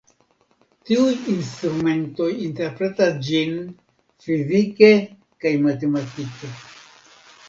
Tiuj instrumentoj interpretas ĝin fizike kaj matematike.